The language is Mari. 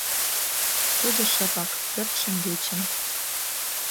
Тудо шыпак, пӧрт шеҥгечын